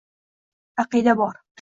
Aqidabor —